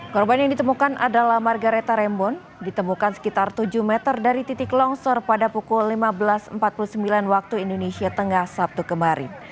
korban yang ditemukan adalah margareta rembon ditemukan sekitar tujuh meter dari titik longsor pada pukul lima belas empat puluh sembilan waktu indonesia tengah sabtu kemarin